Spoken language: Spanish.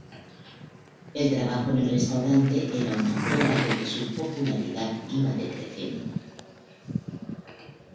El trabajo en el restaurante era una prueba de que su popularidad iba decreciendo.